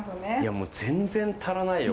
もう全然足らないよ